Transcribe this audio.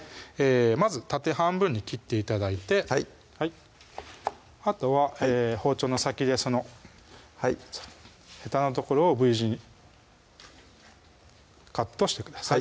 まず縦半分に切って頂いてはいあとは包丁の先でそのヘタの所をＶ字にカットしてください